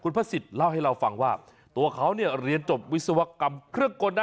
พระศิษย์เล่าให้เราฟังว่าตัวเขาเนี่ยเรียนจบวิศวกรรมเครื่องกลนะ